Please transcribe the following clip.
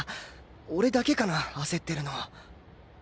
俺だけかな焦ってるの